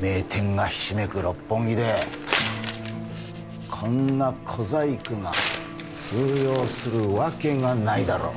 名店がひしめく六本木でこんな小細工が通用するわけがないだろ！